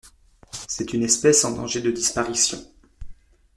C'est une espèce en danger de disparition.